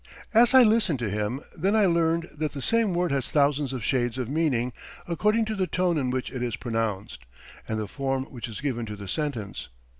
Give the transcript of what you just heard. "As I listened to him then I learned that the same word has thousands of shades of meaning according to the tone in which it is pronounced, and the form which is given to the sentence.